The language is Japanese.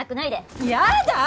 やだ！